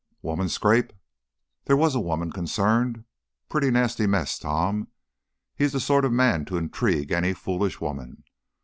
"Woman scrape?" "There was a woman concerned. Pretty nasty mess, Tom. He's the sort of man to intrigue any foolish woman.